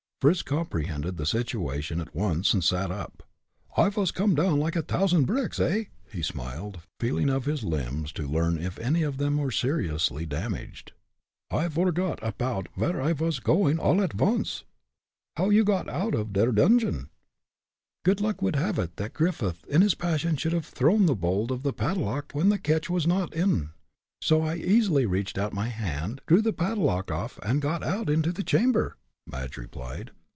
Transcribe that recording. Fritz comprehended the situation at once and sat up. "I vas come down like a t'ousand of bricks, eh?" he smiled, feeling of his limbs to learn if any of them were seriously damaged. "I forgot all apoud vere I vas going all at vonce. How you got oud off der dungeon?" "Good luck would have it that Griffith, in his passion should have thrown the bolt of the padlock when the catch was not in, so I easily reached out my hand, drew the padlock off, and got out into the chamber," Madge replied.